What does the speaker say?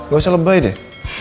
gak usah lebay deh